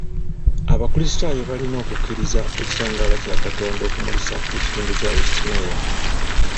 Abakrisitaayo balina okukkiriza ekitangala kya Katonda okumulisa ekitundu kya West Nile.